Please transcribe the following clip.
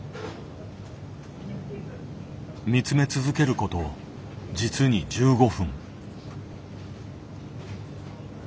見つめ続けること実に１５分。